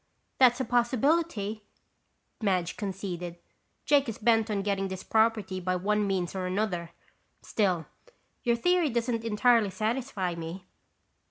"That's a possibility," Madge conceded. "Jake is bent on getting this property by one means or another. Still, your theory doesn't entirely satisfy me."